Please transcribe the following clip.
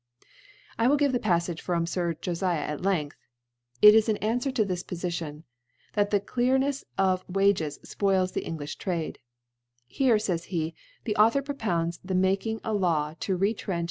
I will give the Paflage from Sir Jofiak at iengtb. It is in Anfwer to this PoHtion^ 7Bai the Dearmfs of PPlages fpHls the Eng M\ Trade. ^ Here, fays he, the Authoii > propounds the making a Law to retrench.